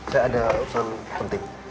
saya ada urusan penting